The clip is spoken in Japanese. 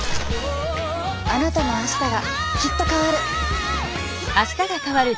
あなたの明日がきっと変わる。